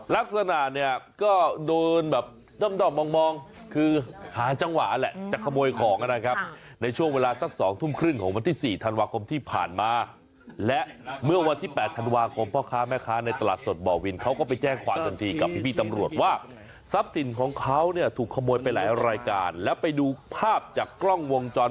ลักษณะเนี่ยก็โดนแบบด้อมมองคือหาจังหวะแหละจะขโมยของนะครับในช่วงเวลาสัก๒ทุ่มครึ่งของวันที่๔ธันวาคมที่ผ่านมาและเมื่อวันที่๘ธันวาคมพ่อค้าแม่ค้าในตลาดสดบ่อวินเขาก็ไปแจ้งความทันทีกับพี่ตำรวจว่าทรัพย์สินของเขาเนี่ยถูกขโมยไปหลายรายการแล้วไปดูภาพจากกล้องวงจร